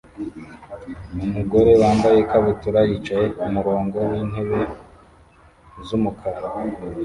Umugore wambaye ikabutura yicaye kumurongo wintebe z'umukara